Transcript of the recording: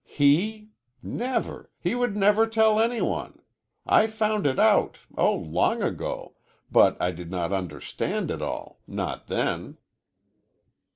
"He? Never! He would never tell any one! I found it out oh, long ago but I did not understand it all not then."